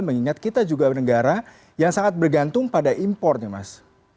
mengingat kita juga negara yang sangat bergantung pada impor nih mas